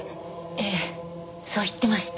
ええそう言ってました。